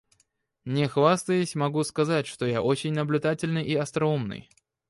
Не хвастаясь, могу сказать, что я очень наблюдательный и остроумный.